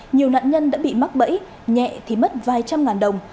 nhiều nạn nhân đã bị mắc bẫy nhẹ thì mất vài trăm ngàn đồng